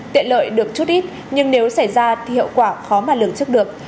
tiện lợi được chút ít nhưng nếu xảy ra thì hiệu quả khó mà lượng chức được